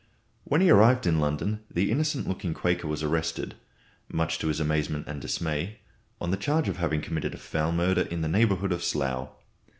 When he arrived in London the innocent looking Quaker was arrested, much to his amazement and dismay, on the charge of having committed a foul murder in the neighbourhood of Slough.